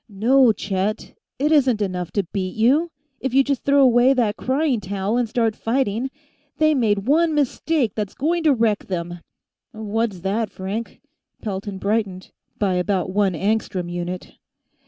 "No, Chet; it isn't enough to beat you if you just throw away that crying towel and start fighting. They made one mistake that's going to wreck them." "What's that, Frank?" Pelton brightened, by about one angstrom unit.